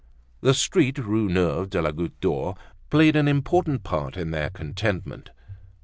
The street, Rue Neuve de la Goutte d'Or, played an important part in their contentment.